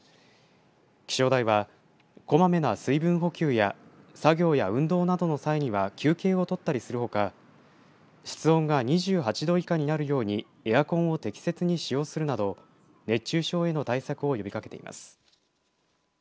気象台は、こまめな水分補給や作業や運動などの際には休憩を取ったりするほか室温が２８度以下になるようにエアコンを適切に使用するなど熱中症への対策を呼びかけています。